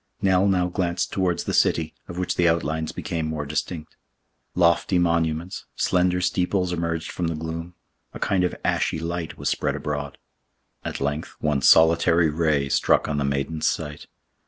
Nell now glanced towards the city, of which the outlines became more distinct. Lofty monuments, slender steeples emerged from the gloom; a kind of ashy light was spread abroad. At length one solitary ray struck on the maiden's sight.